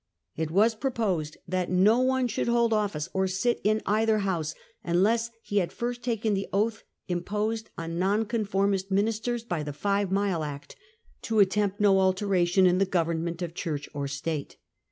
It was proposed that no one should hold office or sit in either House unless he had first taken the oath imposed on Nonconformist ministers by the Five Mile Act, to attempt no alteration in the government of Church or State.